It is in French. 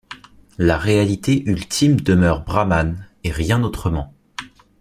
La réalité ultime demeure Brahman, et rien autrement.